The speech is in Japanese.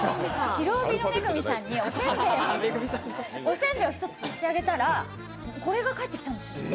「ひるおび」の恵さんにおせんべいを１つ差し上げたらこれが帰ってきたんですよ